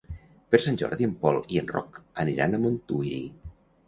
Per Sant Jordi en Pol i en Roc aniran a Montuïri.